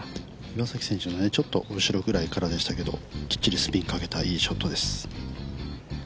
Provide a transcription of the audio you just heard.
岩崎選手のちょっと後ろくらいからでしたけど、きっちりスピンかけたいいショットです。